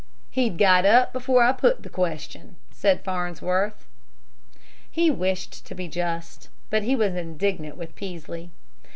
"He'd got up before I put the question," said Farnsworth. He wished to be just. But he was indignant with Peaslee.